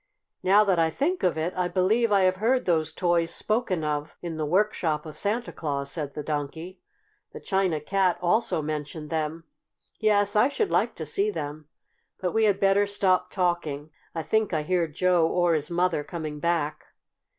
"Now that I think of it, I believe I have heard those toys spoken of in the workshop of Santa Claus," said the Donkey. "The China Cat also mentioned them. Yes, I should like to see them. But we had better stop talking. I think I hear Joe or his mother coming back."